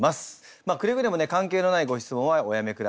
まあくれぐれもね関係のないご質問はおやめください。